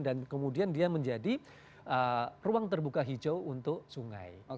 dan kemudian dia menjadi ruang terbuka hijau untuk sungai